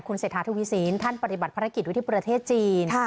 เศรษฐาทวีสินท่านปฏิบัติภารกิจไว้ที่ประเทศจีน